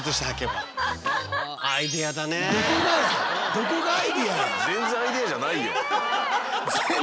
どこがアイデアや！